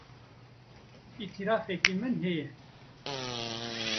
Îtirafeke min heye.